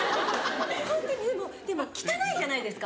ホントにでも汚いじゃないですか。